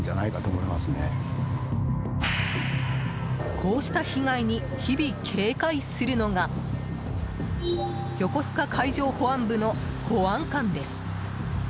こうした被害に日々警戒するのが横須賀海上保安部の保安官です。